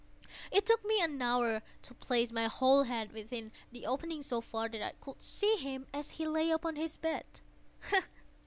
It took me an hour to place my whole head within the opening so far that I could see him as he lay upon his bed.